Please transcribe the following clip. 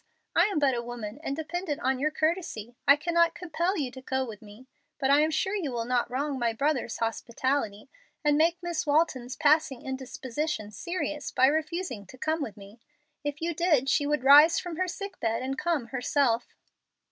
I am but a woman, and dependent on your courtesy. I cannot compel you to go with me. But I am sure you will not wrong my brother's hospitality, and make Miss Walton's passing indisposition serious, by refusing to come with me. If you did she would rise from her sick bed and come herself."